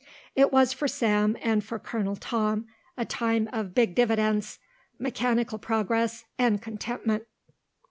It was for Sam and for Colonel Tom a time of big dividends, mechanical progress, and contentment.